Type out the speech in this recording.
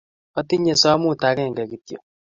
Atinye somut akenge kityo.